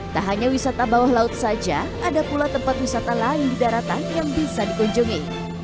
tak hanya wisata bawah laut saja ada pula tempat wisata lain di daratan yang bisa di kunjungi